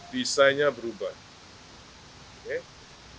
kenapa waktu lelang waktu presiden baru dilakukan